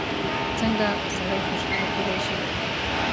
څنګه سړی خوشحاله کېدای شي؟